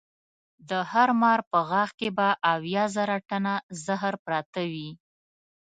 د هر مار په غاښ کې به اویا زره ټنه زهر پراته وي.